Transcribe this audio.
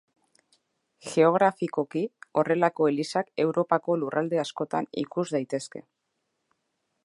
Geografikoki, horrelako elizak Europako lurralde askotan ikus daitezke.